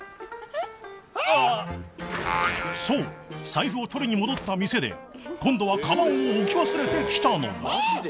財布を取りに戻った店で今度はかばんを置き忘れてきたのだ］